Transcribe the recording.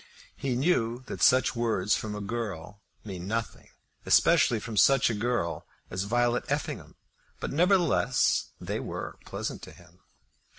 He knew that such words from a girl mean nothing, especially from such a girl as Violet Effingham; but nevertheless they were very pleasant to him.